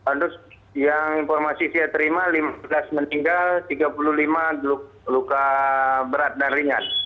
untuk yang informasi saya terima lima belas meninggal tiga puluh lima luka berat dan ringan